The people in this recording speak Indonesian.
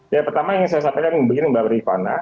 ya pertama yang saya sampaikan begini mbak rifana